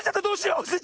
どうしよう